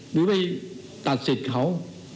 หรือไปตัดสิทธิ์เขา